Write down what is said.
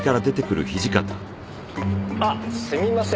あっすみません。